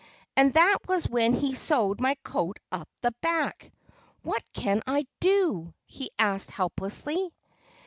And that was when he sewed my coat up the back.... What can I do?" he asked helplessly.